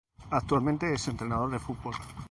Actualmente es Entrenador de fútbol.